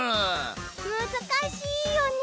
むずかしいよね。